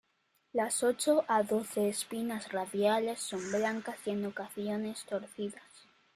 Las ocho a doce espinas radiales son blancas y en ocasiones torcidas.